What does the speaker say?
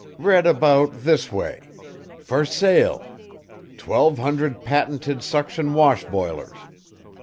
Read about this way: "Fer sale. Twelve hunderd patented suction Wash Bilers.